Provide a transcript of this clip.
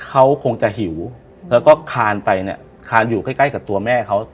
เขาคงจะหิวแล้วก็คานไปเนี่ยคานอยู่ใกล้ใกล้กับตัวแม่เขา